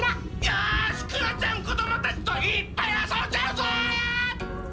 よしクヨちゃんこどもたちといっぱいあそんじゃうぞ！